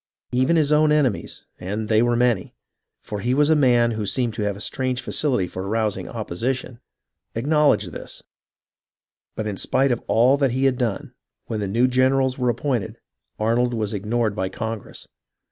Even his own enemies, and they were many, for he was a man who seemed to have a strange facility in arous ing opposition, acknowledged this; but in spite of all that he had done, when the new generals were appointed, Arnold was ignored by Congress.